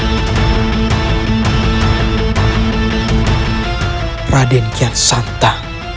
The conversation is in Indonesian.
atau dengan siapa